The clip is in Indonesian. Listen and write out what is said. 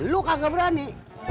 lo kagak berani